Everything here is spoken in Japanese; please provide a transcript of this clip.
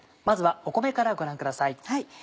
まずは米からご覧ください。